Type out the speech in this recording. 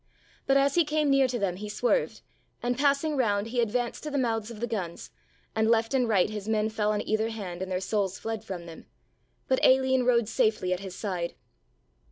But, as he came near to them, he swerved and, passing round, he advanced to the mouths of the guns, and left and right his men fell on either hand and their souls fled from them; but Aline rode safely at his side.